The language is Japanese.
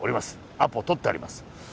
アポ取ってあります。